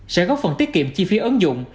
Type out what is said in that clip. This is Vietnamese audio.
sẽ góp phần tiết kiệm chi phí ứng dụng